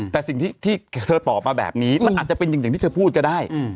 แต่สิ่งที่เธอตอบมาแบบนี้มันอาจจะเป็นอย่างที่เธอพูดก็ได้